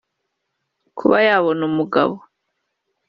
Kuba yabona umugabo